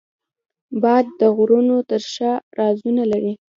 باد د غرونو تر شا رازونه لري